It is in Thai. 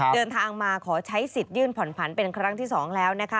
เดินทางมาขอใช้สิทธิ์ยื่นผ่อนผันเป็นครั้งที่๒แล้วนะคะ